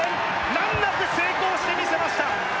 難なく成功してみせました